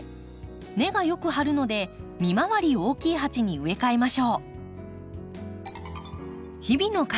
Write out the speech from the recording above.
根がよく張るので三回り大きい鉢に植え替えましょう。